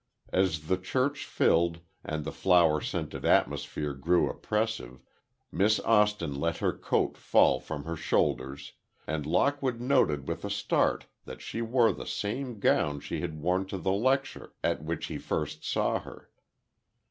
As the church filled, and the flower scented atmosphere grew oppressive, Miss Austin let her coat fall from her shoulders, and Lockwood noted with a start that she wore the same gown she had worn to the lecture at which he first saw her.